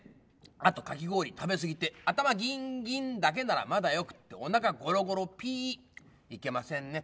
あとかきごおりたべすぎてあたまギンギンだけならまだよくっておなかゴロゴロピいけませんね。